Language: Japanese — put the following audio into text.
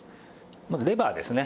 まずレバーですね。